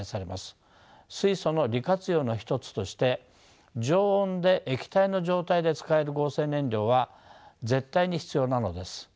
水素の利活用の一つとして常温で液体の状態で使える合成燃料は絶対に必要なのです。